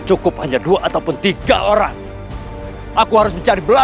saya melihat rocket